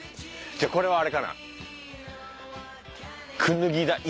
じゃあこれはあれかな？